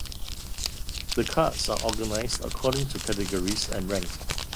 The cards are organized according to categories and ranked.